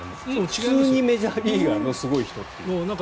普通にメジャーリーガーのすごい人という。